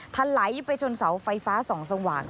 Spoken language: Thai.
ทะไหลไปจนเสาไฟฟ้า๒ส่วนหวัง